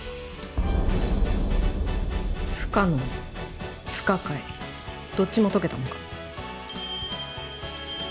不可能不可解どっちも解けたのか？